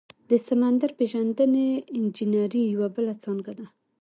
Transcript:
د سمندر پیژندنې انجنیری یوه بله څانګه ده.